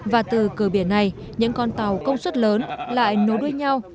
và từ cửa biển này những con tàu công suất lớn lại nối đuôi nhau